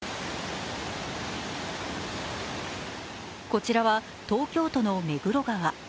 こちらは東京都の目黒川。